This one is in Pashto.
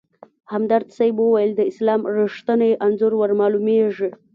همدرد صیب ویل: د اسلام رښتیني انځور ورمالومېږي.